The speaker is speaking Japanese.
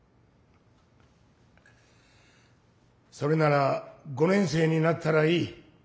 それなら５年生になったらいい。